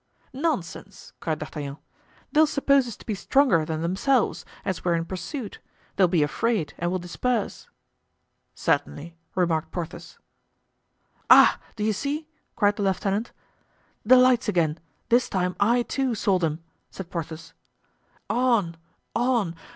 "Nonsense!" cried D'Artagnan, "they'll suppose us to be stronger than themselves, as we're in pursuit; they'll be afraid and will disperse." "Certainly," remarked Porthos. "Ah! do you see?" cried the lieutenant. "The lights again! this time I, too, saw them," said Porthos. "On! on!